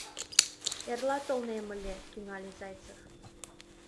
— Эрла толнем ыле, — тӱҥале Зайцев.